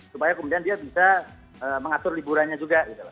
supaya kemudian dia bisa mengatur liburannya juga